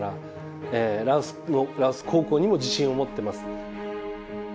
羅臼高校にも自信を持ってます。